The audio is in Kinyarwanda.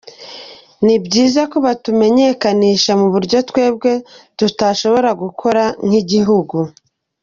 Ni byiza ko batumenyekanisha mu buryo twebwe tutashobora gukora nk’igihugu.